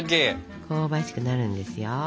香ばしくなるんですよ。